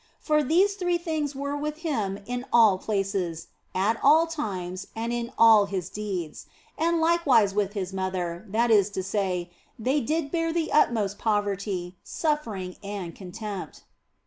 For these three things were with Him in all places, at all times, and in all His deeds, and likewise with His mother, that is to say, they did bear the utmost poverty, suffering, and contempt.